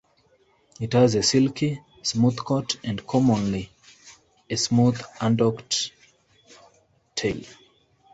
It has a silky, smooth coat and commonly a smooth undocked tail.